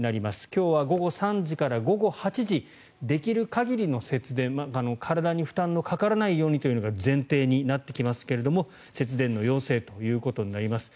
今日は午後３時から午後８時できる限りの節電体に負担のかからないようにというのが前提になってきますが節電の要請ということになります。